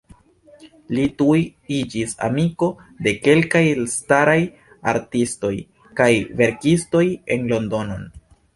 Li tuj iĝis amiko de kelkaj elstaraj artistoj kaj verkistoj en Londonon.